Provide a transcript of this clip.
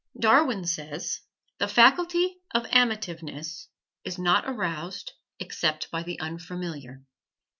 Darwin says, "The faculty of amativeness is not aroused except by the unfamiliar."